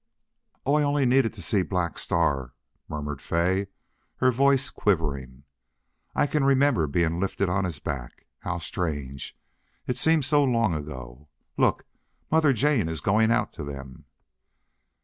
"Oh, I only needed to see Black Star," murmured Fay, her voice quivering. "I can remember being lifted on his back.... How strange! It seems so long ago.... Look! Mother Jane is going out to them."